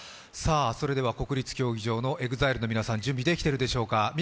それでは国立競技場のＥＸＩＬＥの皆さん、準備できてるでしょうか。